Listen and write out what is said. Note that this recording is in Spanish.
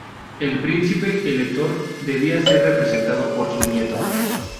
El Príncipe-Elector debía ser representado por su nieto.